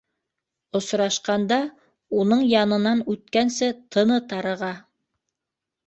Осрашҡанда уның янынан үткәнсе тыны тарыға.